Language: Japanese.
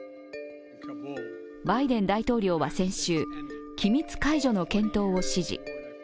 バイデン大統領は先週、機密解除の検討を指示。